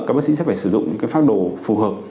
các bác sĩ sẽ phải sử dụng cái pháp đồ phù hợp